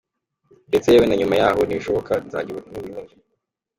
Ndetse yewe na nyuma yahoo nibishoboka nzajya ni Burundi.